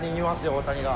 大谷が。